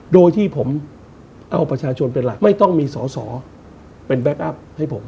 โดยที่ผมเอาประชาชนเป็นหลักไม่ต้องมีสอสอเป็นแก๊คอัพให้ผม